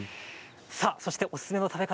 そして、おすすめの食べ方